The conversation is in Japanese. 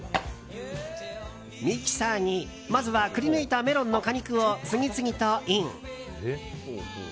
ミキサーにまずはくり抜いたメロンの果肉を次々とイン。